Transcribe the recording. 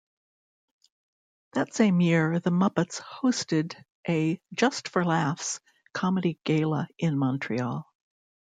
That same year, the Muppets hosted a "Just for Laughs" comedy gala in Montreal.